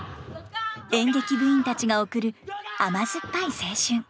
演劇部員たちが送る甘酸っぱい青春。